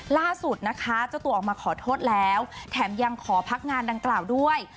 ล่าสุดนะคะเจ้าตัวออกมาขอโทษแล้วแถมยังขอพักงานดังกล่าวด้วย